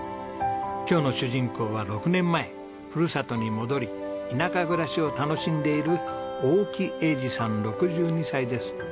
今日の主人公は６年前ふるさとに戻り田舎暮らしを楽しんでいる大木栄治さん６２歳です。